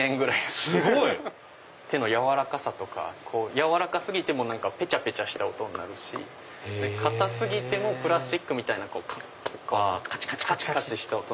すごい！手の軟らかさとか軟らか過ぎてもペチャペチャした音になるし硬過ぎてもプラスチックみたいなカチカチした音。